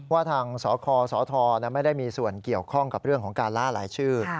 ว่าทางสคสทไม่ได้มีส่วนเกี่ยวข้องกับเรื่องของการล่าหลายชื่อ